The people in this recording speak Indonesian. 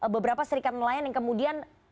beberapa serikat nelayan yang kemudian